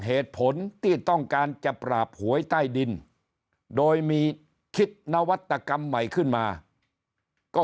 เหตุผลที่ต้องการจะปราบหวยใต้ดินโดยมีคิดนวัตกรรมใหม่ขึ้นมาก็